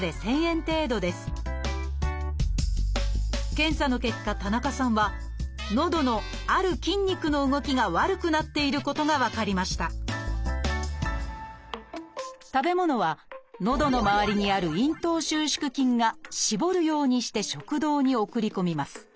検査の結果田中さんはのどのある筋肉の動きが悪くなっていることが分かりました食べ物はのどの周りにある「咽頭収縮筋」が絞るようにして食道に送り込みます。